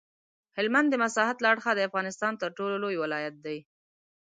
هلمند د مساحت له اړخه د افغانستان تر ټولو لوی ولایت دی.